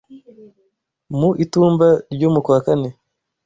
mu itumba ryo mu kwa kane